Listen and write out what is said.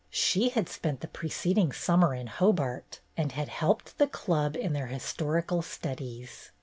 She had spent the preceding summer in Hobart, and had helped the Club in their historical studies.